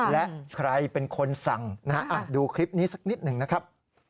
และใครเป็นคนสั่งนะฮะดูคลิปนี้สักนิดหนึ่งนะครับ